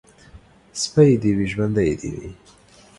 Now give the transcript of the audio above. سپى دي وي ، ژوندى دي وي.